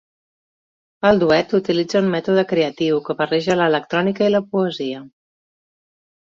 El duet utilitza un mètode creatiu que barreja l’electrònica i la poesia.